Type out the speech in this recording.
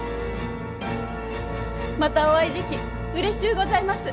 またお会いできうれしゅうございます。